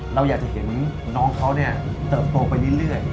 เราอยากเห็นน้องเขาเนี่ยเติมโตไปเรื่อย